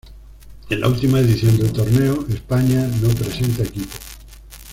En la última edición del torneo, España no presenta equipo.